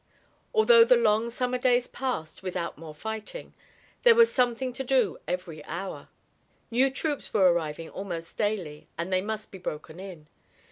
Although the long summer days passed without more fighting, there was something to do every hour. New troops were arriving almost daily and they must be broken in.